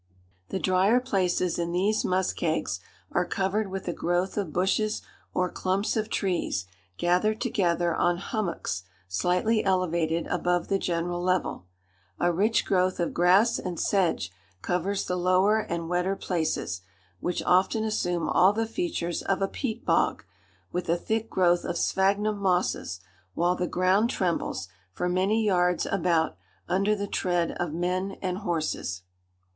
The drier places in these muskegs are covered with a growth of bushes or clumps of trees, gathered together on hummocks slightly elevated above the general level. A rich growth of grass and sedge covers the lower and wetter places, which often assume all the features of a peat bog, with a thick growth of sphagnum mosses, while the ground trembles, for many yards about, under the tread of men and horses.